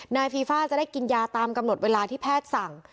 ฟีฟ่าจะได้กินยาตามกำหนดเวลาที่แพทย์สั่ง